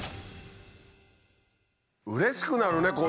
うれしくなるね！